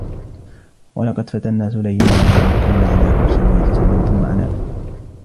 وَلَقَدْ فَتَنَّا سُلَيْمَانَ وَأَلْقَيْنَا عَلَى كُرْسِيِّهِ جَسَدًا ثُمَّ أَنَابَ